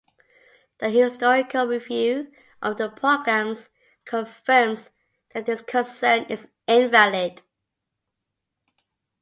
The historical review of the programs confirms that this concern is invalid.